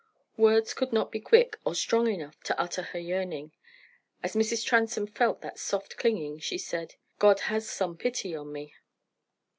Words could not be quick or strong enough to utter her yearning. As Mrs. Transome felt that soft clinging, she said "God has some pity on me."